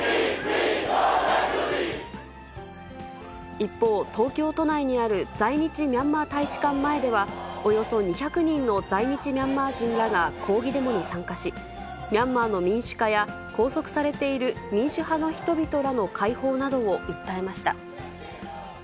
一方、東京都内にある在日ミャンマー大使館前では、およそ２００人の在日ミャンマー人らが抗議デモに参加し、ミャンマーの民主化や、拘束されている民主派の人々らの解放などを訴えました。